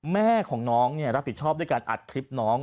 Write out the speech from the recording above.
แม่ของน้องรับผิดชอบด้วยการอัดคลิปน้อง